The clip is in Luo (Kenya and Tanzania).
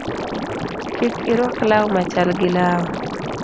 Kik iruak law machal gi lawa